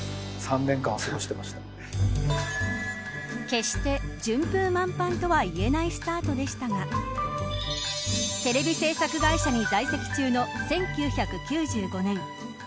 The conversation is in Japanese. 決して順風満帆とは言えないスタートでしたがテレビ制作会社に在籍中の１９９５年。